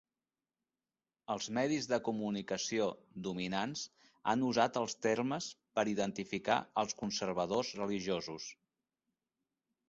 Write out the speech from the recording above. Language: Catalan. Els medis de comunicació dominants han usat els termes per identificar als conservadors religiosos.